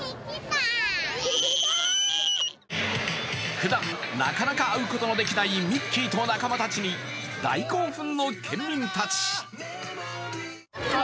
ふだんなかなか会うことのできないミッキーと仲間たちに大興奮の県民たち。